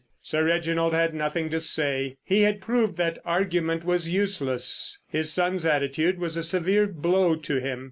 Sir Reginald had nothing to say. He had proved that argument was useless. His son's attitude was a severe blow to him.